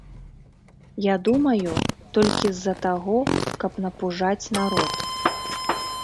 Я думаю, толькі з-за таго, каб напужаць народ.